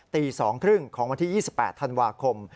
ตี๒๓๐ของวันที่๒๘ธันวาคม